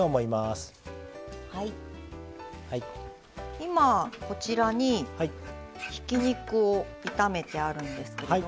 今こちらにひき肉を炒めてあるんですけれども。